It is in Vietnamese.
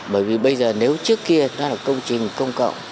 bởi vì bây giờ nếu trước kia nó là công trình công cộng